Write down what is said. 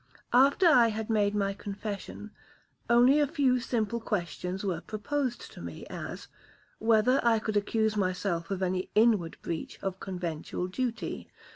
After I had made my confession, only a few simple questions were proposed to me, as, Whether I could accuse myself of any inward breach of conventual duty?